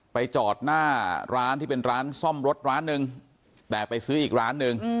จอดหน้าร้านที่เป็นร้านซ่อมรถร้านหนึ่งแต่ไปซื้ออีกร้านหนึ่ง